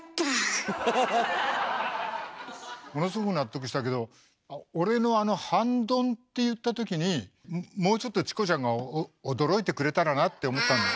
ものすごく納得したけど俺のあの「半ドン」って言ったときにもうちょっとチコちゃんが驚いてくれたらなって思ったんだ。